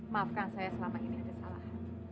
maafkan saya selama ini ada salah